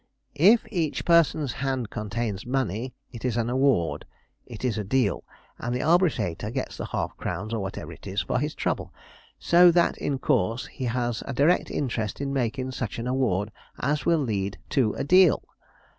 'If each person's hand contains money, it is an award it is a deal; and the arbitrator gets the half crowns, or whatever it is, for his trouble; so that, in course, he has a direct interest in makin' such an award as will lead to a deal.